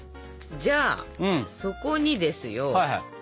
じゃあそこにですよ。